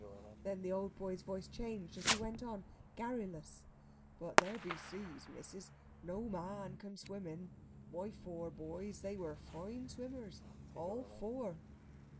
Then the old boy's voice changed as he went on, garrulous: "But there be seas, missis, no man can swim in. My fower boys, they were fine swimmers all fower!"